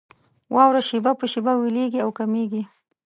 واوره شېبه په شېبه ويلېږي او کمېږي.